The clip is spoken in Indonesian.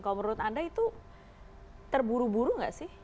kalau menurut anda itu terburu buru gak sih